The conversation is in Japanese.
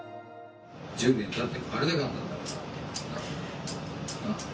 １０年たって変わらなかったんだからな。